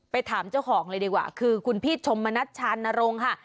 ถามเจ้าของเลยดีกว่าคือคุณพี่ชมมณัชชานรงค์ค่ะ